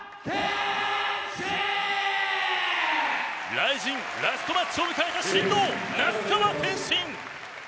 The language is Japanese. ＲＩＺＩＮラストマッチを迎えた神童・那須川天心！